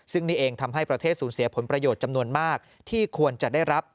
ซึ่งนี่เองทำให้ประเทศสูญเสียผลประโยชน์จำนวนมากที่ควรจะได้รับ